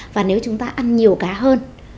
và nếu chúng ta ăn nhiều cá hơn